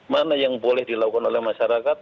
mana yang boleh dilakukan oleh masyarakat